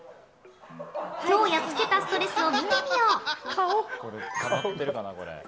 今日やっつけたモンスターを見てみよう。